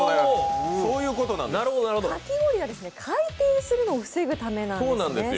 かき氷が回転するのを防ぐためです。